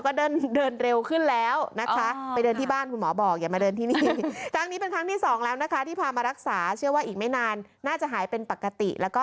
ก็เขาก็ต้องการการรักษาเหมือนกัน